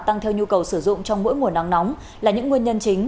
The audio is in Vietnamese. tăng theo nhu cầu sử dụng trong mỗi mùa nắng nóng là những nguyên nhân chính